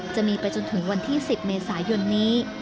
จะมีไปจนถึงวันที่๑๐เมษายนนี้